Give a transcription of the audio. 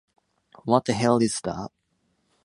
What the hell is that?